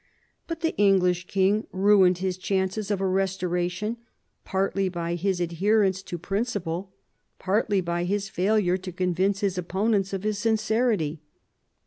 But the English king ruined his chances of a restoration partly by his adherence to principle, partly by his failure to convince his oppo nents of his sincerity.